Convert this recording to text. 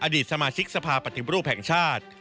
อดีตสมาชิกสภาปฏิรูปแห่งชาติ